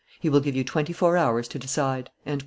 He will give you twenty four hours to decide."